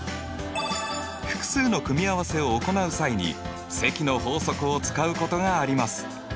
複数の組合せを行う際に積の法則を使うことがあります。